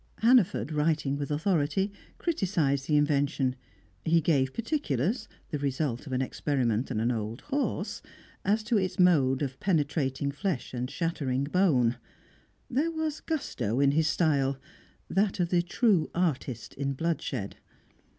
Hannaford, writing with authority, criticised the invention; he gave particulars (the result of an experiment on an old horse) as to its mode of penetrating flesh and shattering bone; there was a gusto in his style, that of the true artist in bloodshed.